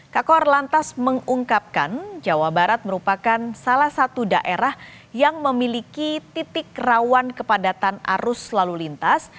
kakor lantas mengungkapkan jawa barat merupakan salah satu daerah yang memiliki titik rawan kepadatan arus lalu lintas